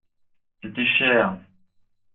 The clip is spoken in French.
C’était cher.